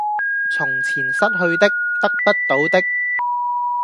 從前失去的、得不到的